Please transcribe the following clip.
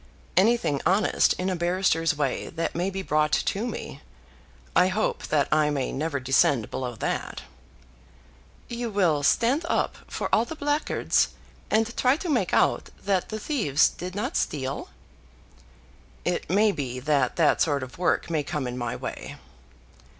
"Anything honest in a barrister's way that may be brought to me. I hope that I may never descend below that." "You will stand up for all the blackguards, and try to make out that the thieves did not steal?" "It may be that that sort of work may come in my way."